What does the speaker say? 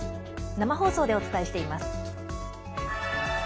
生放送でお伝えしています。